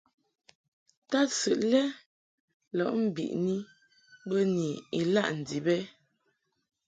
Tadsɨʼ lɛ lɔʼ mbiʼni bə ni ilaʼ ndib ɛ ?